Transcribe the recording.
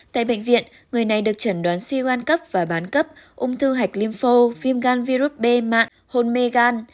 tại bệnh viện người này được chẩn đoán suy gan cấp và bán cấp ung thư hạch limpho viêm gan virus b mạng hôn mê gan